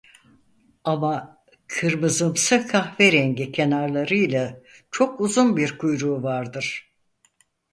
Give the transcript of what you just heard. Ama kırmızımsı-kahverengi kenarlarıyla çok uzun bir kuyruğu vardır.